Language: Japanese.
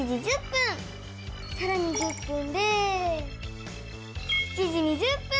さらに１０分で７時２０分！